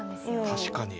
確かに。